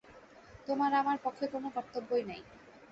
তোমার আমার পক্ষে কোন কর্তব্যই নাই।